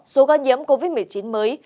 số ca nhiễm covid một mươi chín mới